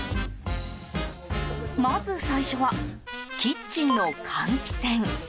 まず最初はキッチンの換気扇。